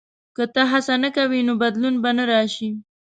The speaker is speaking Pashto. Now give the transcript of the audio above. • که ته هڅه نه کوې، نو بدلون به نه راشي.